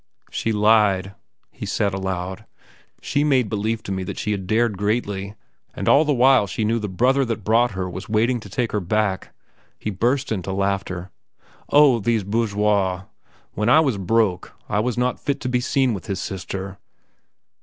"She lied," he said aloud. "She made believe to me that she had dared greatly, and all the while she knew the brother that brought her was waiting to take her back." He burst into laughter. "Oh, these bourgeois! When I was broke, I was not fit to be seen with his sister.